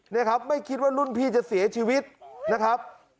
นี่ครับไม่คิดว่ารุ่นพี่จะเสียชีวิตนะครับ